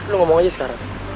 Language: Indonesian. lu ngomong aja sekarang